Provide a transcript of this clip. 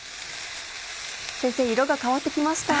先生色が変わって来ました。